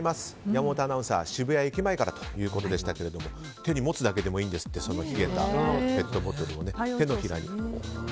山本アナウンサー渋谷駅前からでしたが手に持つだけでもいいんですって冷えたペットボトルを。